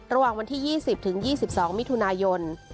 ระหว่างวันที่๒๐ถึง๒๒มิถุนายน